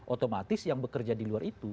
otomatis yang bekerja di luar itu